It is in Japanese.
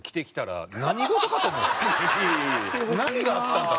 何があったんだ？